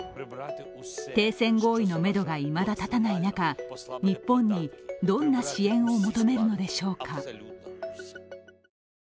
停戦合意のめどが、いまだ立たない中、日本にどんな支援を求めるのでしょうか。